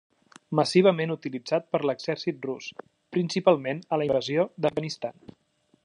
Massivament utilitzat per l'exèrcit rus, principalment a la Invasió d'Afganistan.